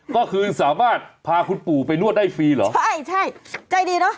ก็คือสามารถพาคุณปู่ไปนวดได้ฟรีเหรอใช่ใช่ใจดีเนอะ